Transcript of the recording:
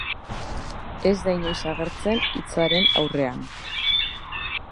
Ez da inoiz agertzen hitzaren aurrean.